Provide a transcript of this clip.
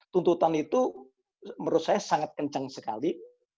tuntutan itu menurut saya sangat kencang sekali